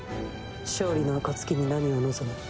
勝利の暁に何を望む？